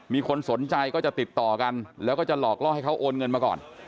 มีคนสนใจก็จะติดต่อกันแล้วก็จะหลอกล่อให้เขาโอนเงินมาก่อน